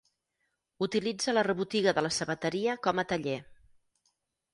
Utilitza la rebotiga de la sabateria com a taller.